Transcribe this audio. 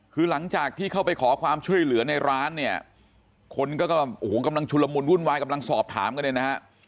คือหลังจากที่เข้าไปขอความช่วยเหลือในร้านเนี่ยคนก็กำลังโอ้โหกำลังชุลมุนวุ่นวายกำลังสอบถามกันเนี่ยนะฮะ